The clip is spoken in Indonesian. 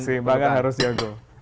keseimbangan harus dianggur